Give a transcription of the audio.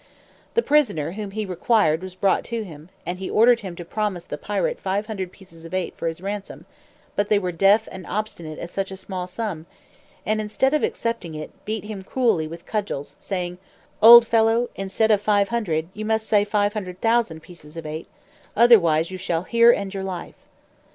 The prisoner whom he required was brought to him, and he ordered him to promise the pirate five hundred pieces of eight for his ransom; but they were deaf and obstinate at such a small sum, and instead of accepting it, beat him cruelly with cudgels, saying, "Old fellow, instead of five hundred, you must say five hundred thousand pieces of eight; otherwise you shall here end your life."